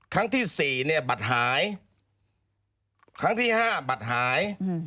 ครั้งที่๔เนี่ยบัตรหาย